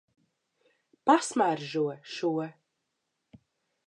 Pasmaržo šo.